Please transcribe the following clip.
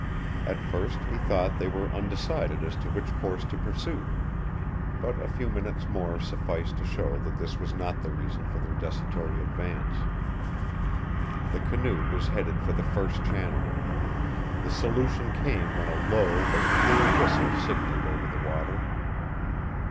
At first he thought they were undecided as to which course to pursue, but a few minutes more sufficed to show that this was not the reason for their desultory advance. The canoe was headed for the first channel. The solution came when a low but clear whistle signaled over the water.